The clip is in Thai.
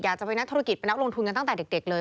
จะเป็นนักธุรกิจเป็นนักลงทุนกันตั้งแต่เด็กเลย